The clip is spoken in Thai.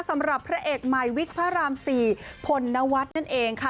สำหรับพระเอกใหม่วิกพระราม๔พลนวัฒน์นั่นเองค่ะ